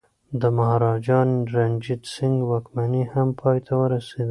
د مهاراجا رنجیت سنګ واکمني هم پای ته ورسیده.